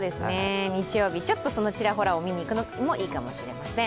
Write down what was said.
日曜日、ちょっとそのちらほらを見に行くのもいいかもしれません。